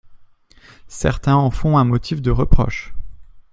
Certains en font un motif de reproche.